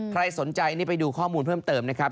ใครสนใจนี่ไปดูข้อมูลเพิ่มเติมนะครับ